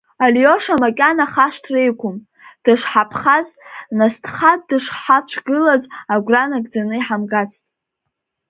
Алиоша макьана хашҭра иқәым, дышҳаԥхаз, насҭха дышҳацәгылаз агәра нагӡаны иҳамгацт.